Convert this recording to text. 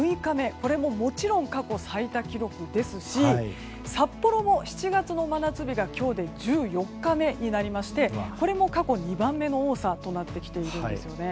これも、もちろん過去最多記録ですし札幌も７月の真夏日が今日で１４日目となりましてこれも過去２番目の多さとなってきているんですよね。